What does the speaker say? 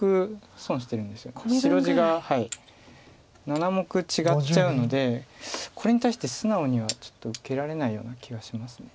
白地が７目違っちゃうのでこれに対して素直にはちょっと受けられないような気がします。